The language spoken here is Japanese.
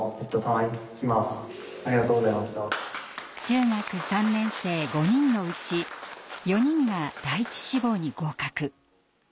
中学３年生５人のうち４人が第１志望に合格。